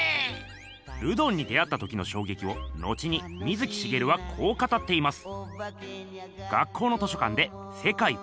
ルドンに出会った時のしょうげきを後に水木しげるはこう語っています。